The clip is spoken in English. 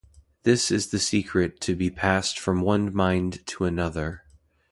This is the secret to be passed from one mind to another.